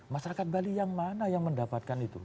masyarakat bali yang mana yang mendapatkan itu